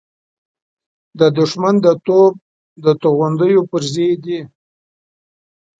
د دښمن د توپ د توغندۍ پرزې دي.